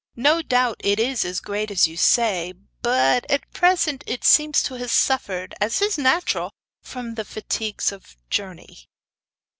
No doubt it is as great as you say; but at present it seems to have suffered, as is natural, from the fatigues of the journey.